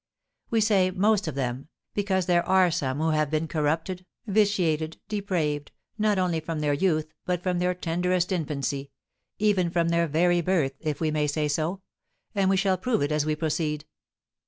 We say "most of them," because there are some who have been corrupted, vitiated, depraved, not only from their youth, but from tenderest infancy, even from their very birth, if we may say so; and we shall prove it as we proceed.